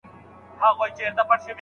د ساعت اصلي ارزښت معلومېږي.